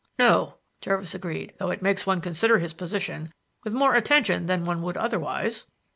"No," Jervis agreed, "though it makes one consider his position with more attention than one would otherwise."